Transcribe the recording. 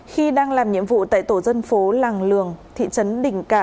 khi đang làm nhiệm vụ tại tổ dân phố làng lường thị trấn đình cả